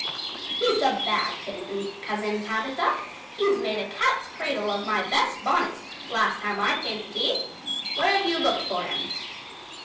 "He's a bad kitten, Cousin Tabitha; he made a cat's cradle of my best bonnet last time I came to tea. Where have you looked for him?"